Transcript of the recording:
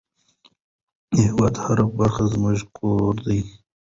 د هېواد هره برخه زموږ کور دی.